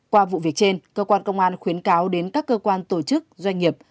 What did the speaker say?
qua vụ việc trên cơ quan công an khuyến cáo đến các cơ quan tổ chức doanh nghiệp